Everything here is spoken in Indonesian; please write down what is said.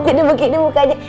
jadi begini mukanya